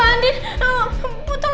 jangan melambung mandarin